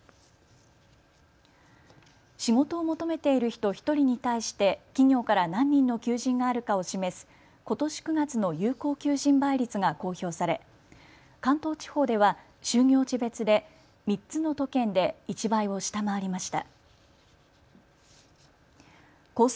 仕事を求めている人１人に対して企業から何人の求人があるかを示すことし９月の有効求人倍率が公表され、関東地方では就業地別で３つの都県で１倍を下回りました。